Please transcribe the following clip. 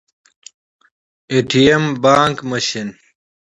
🏧 بانګ ماشین